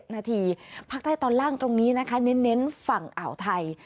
นาทีภาคใต้ตอนล่างตรงนี้นะคะเน้นฝั่งอ่าวไทย